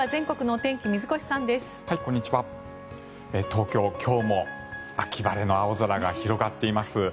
東京、今日も秋晴れの青空が広がっています。